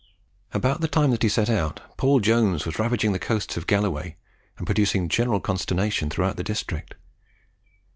About the time that he set out, Paul Jones was ravaging the coasts of Galloway, and producing general consternation throughout the district.